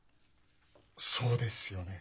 そうですよね。